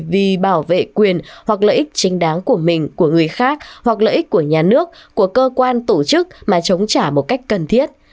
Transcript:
vì bảo vệ quyền hoặc lợi ích chính đáng của mình của người khác hoặc lợi ích của nhà nước của cơ quan tổ chức mà chống trả một cách cần thiết